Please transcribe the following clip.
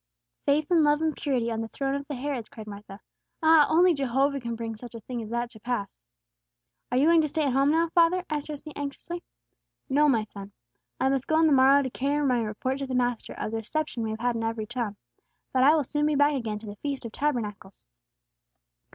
"Faith and love and purity on the throne of the Herods," cried Martha. "Ah, only Jehovah can bring such a thing as that to pass!" "Are you going to stay at home now, father?" asked Jesse, anxiously. "No, my son. I must go on the morrow to carry my report to the Master, of the reception we have had in every town. But I will soon be back again to the Feast of Tabernacles."